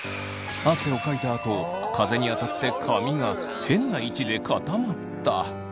汗をかいたあと風に当たって髪が変な位置で固まった。